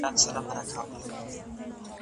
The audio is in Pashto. غوری ترڅنګه پټ کړي